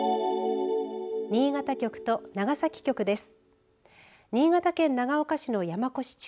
新潟局と長崎局です。